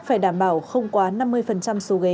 phải đảm bảo không quá năm mươi số ghế